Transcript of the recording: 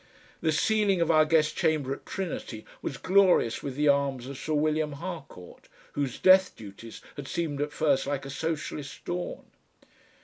The ceiling of our guest chamber at Trinity was glorious with the arms of Sir William Harcourt, whose Death Duties had seemed at first like a socialist dawn.